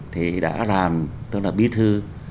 thì đã làm tức là bí thư